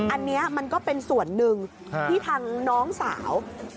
อันนี้มันก็เป็นส่วนหนึ่งที่ทางน้องสาว